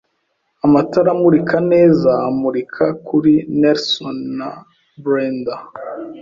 amatara amurika neza amurika kuri Nelson na Brendah